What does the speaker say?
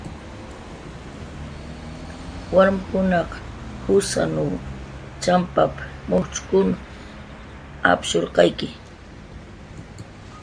"Warmkunaq jusanw champ""a, mujcxkun apshurqayki"